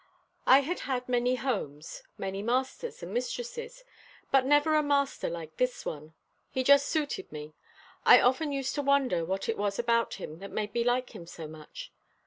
I had had many homes, many masters and mistresses, but never a master like this one. He just suited me. I often used to wonder what it was about him that made me like him so much.